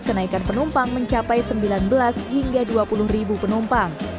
kenaikan penumpang mencapai sembilan belas hingga dua puluh ribu penumpang